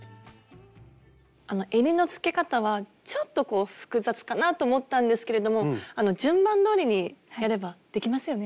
えりのつけ方はちょっと複雑かなと思ったんですけれども順番どおりにやればできますよね？